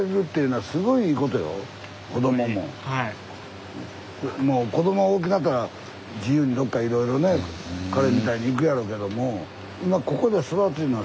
もう子どもが大きなったら自由にどっかいろいろね彼みたいに行くやろけども今ここで育ついうのはすごい大事なことやで。